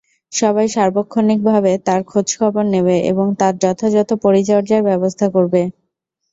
সবাই সার্বক্ষণিকভাবে তার খোঁজখবর নেবে এবং তার যথাযথ পরিচর্যার ব্যবস্থা করবে।